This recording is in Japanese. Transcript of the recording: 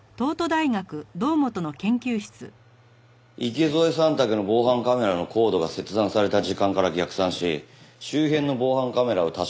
池添さん宅の防犯カメラのコードが切断された時間から逆算し周辺の防犯カメラを確かめたところ